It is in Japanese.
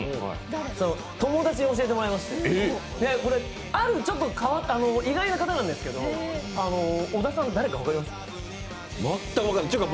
それを友達に教えてもらいまして、ある変わった、意外な方なんですけれども、小田さん誰だか分かりますか？